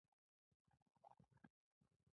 د خپلې بې خرته مینې ورپېښه ده.